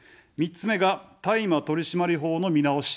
３つ目が大麻取締法の見直し。